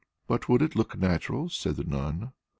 "But would it look natural?" said the nun.